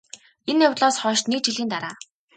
энэ явдлаас хойш НЭГ жилийн дараа